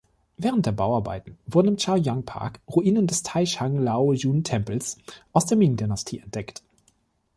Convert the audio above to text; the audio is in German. Während der Bauarbeiten wurden im Chaoyang-Park Ruinen des Tai-Shang-Lao-Jun-Tempels aus der Ming-Dynastie entdeckt.